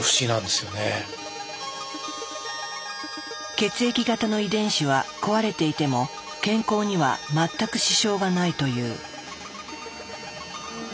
血液型の遺伝子は壊れていても健康には全く支障がないという。